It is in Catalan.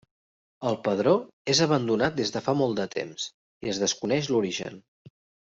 El pedró és abandonat des de fa molts de temps i es desconeix l'origen.